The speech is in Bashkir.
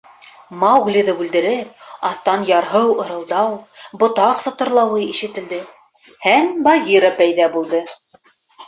Мауглиҙы бүлдереп, аҫтан ярһыу ырылдау, ботаҡ сытырла-уы ишетелде, һәм Багира пәйҙә булды.